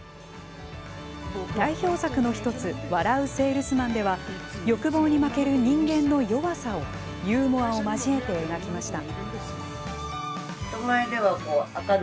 代表作のひとつ「笑ゥせぇるすまん」では欲望に負ける人間の弱さをユーモアを交えて描きました。